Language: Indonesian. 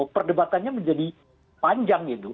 perdebatannya menjadi panjang